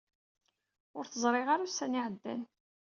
Ur t-zṛiɣ ara ussan i iɛeddan.